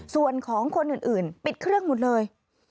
ส่วนของคนอื่นปิดเครื่องหมดเลย